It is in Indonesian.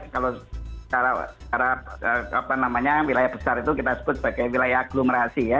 kalau secara apa namanya wilayah besar itu kita sebut sebagai wilayah aglomerasi ya